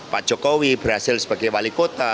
pak jokowi berhasil sebagai wali kota